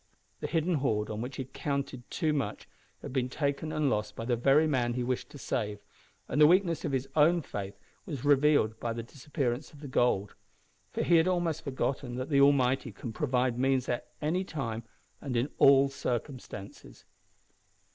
The hidden hoard, on which he had counted too much, had been taken and lost by the very man he wished to save, and the weakness of his own faith was revealed by the disappearance of the gold for he had almost forgotten that the Almighty can provide means at any time and in all circumstances.